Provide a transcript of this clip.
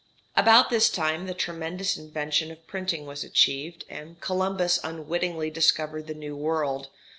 About this time the tremendous invention of printing was achieved, and Columbus unwittingly discovered the New World.